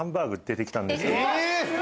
出て来たんですよ。